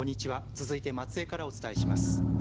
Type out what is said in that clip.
続いて松江からお伝えします。